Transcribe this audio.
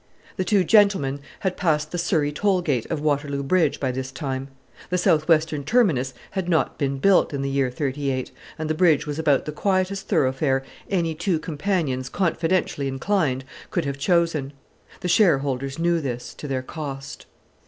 The two gentlemen had passed the Surrey toll gate of Waterloo Bridge by this time. The South Western Terminus had not been built in the year '38, and the bridge was about the quietest thoroughfare any two companions confidentially inclined could have chosen. The shareholders knew this, to their cost.